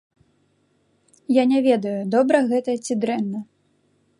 Я не ведаю, добра гэта ці дрэнна.